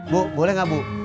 bu boleh gak bu